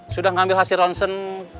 sudah ngambil hasil ronsen